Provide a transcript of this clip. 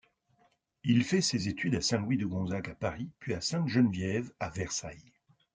Il fait ses études à Saint-Louis-de-Gonzague à Paris puis à Sainte-Geneviève à Versailles.